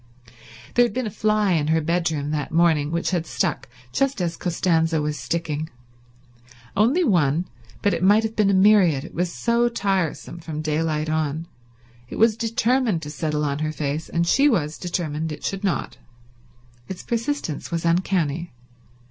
There had been a fly in her bedroom that morning which had stuck just as Costanza was sticking; only one, but it might have been a myriad it was so tiresome from daylight on. It was determined to settle on her face, and she was determined it should not. Its persistence was uncanny.